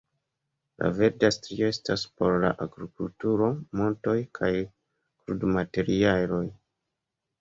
La verda strio estas por la agrikulturo, montoj kaj krudmaterialoj.